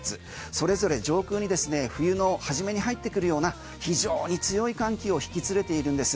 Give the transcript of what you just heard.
それぞれ冬の初めに入ってくるような非常に強い寒気を引き連れているんです。